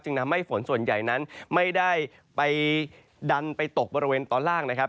ทำให้ฝนส่วนใหญ่นั้นไม่ได้ไปดันไปตกบริเวณตอนล่างนะครับ